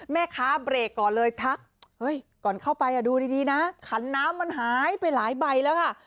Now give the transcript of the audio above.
แม่ค้าเบรกก่อนเลยทักเฮ้ยก่อนเข้าไปดูดีนะขันน้ำมันหายไปหลายใบแล้วค่ะ